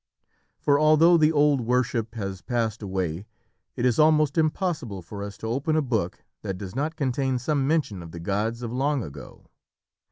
For although the old worship has passed away, it is almost impossible for us to open a book that does not contain some mention of the gods of long ago.